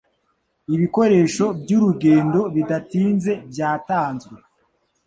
Ibikoresho byurugendo bidatinze byatanzwe